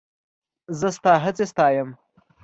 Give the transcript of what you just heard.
زه ستا هڅې ستایم.